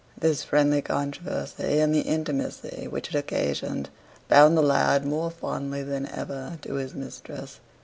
This friendly controversy, and the intimacy which it occasioned, bound the lad more fondly than ever to his mistress.